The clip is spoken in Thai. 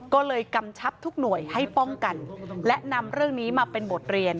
ก็เลยกำชับทุกหน่วยให้ป้องกันและนำเรื่องนี้มาเป็นบทเรียน